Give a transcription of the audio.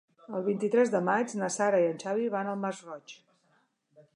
El vint-i-tres de maig na Sara i en Xavi van al Masroig.